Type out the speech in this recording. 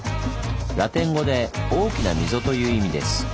ラテン語で「大きな溝」という意味です。